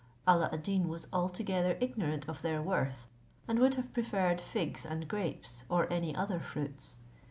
Alla ad Deen was altogether ignorant of their worth, and would have preferred figs and grapes, or any other fruits.